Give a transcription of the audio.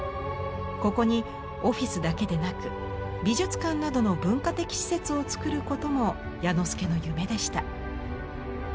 ここにオフィスだけでなく美術館などの文化的施設を造ることも彌之助の夢でした。